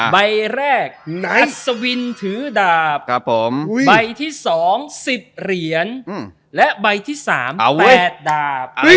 ใบแรกอัสวินถือดาบใบที่สองสิบเหรียญและใบที่สามแปดดาบ